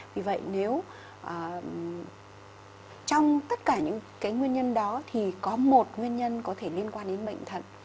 vì vậy nếu trong tất cả những cái nguyên nhân đó thì có một nguyên nhân có thể liên quan đến bệnh thận